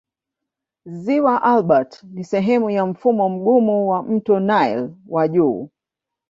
Ziwa Albert ni sehemu ya mfumo mgumu wa mto Nile wa juu.